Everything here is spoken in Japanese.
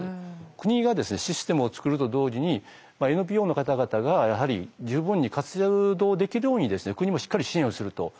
国がシステムを作ると同時にＮＰＯの方々がやはり十分に活動できるように国もしっかり支援をすると。